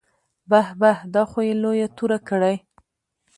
بح بح دا خو يې لويه توره کړې.